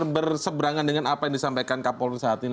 berseberangan dengan apa yang disampaikan kapolri saat ini